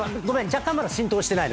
若干まだ浸透してないんだ